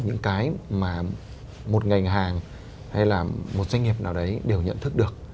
những cái mà một ngành hàng hay là một doanh nghiệp nào đấy đều nhận thức được